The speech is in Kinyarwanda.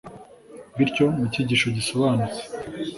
Bityo mu cyigisho gisobanutse